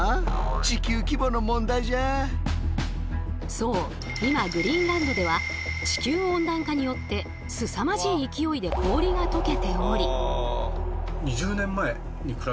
そう今グリーンランドでは地球温暖化によってすさまじい勢いで氷が溶けており。